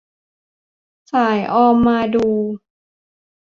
สายออมมาดู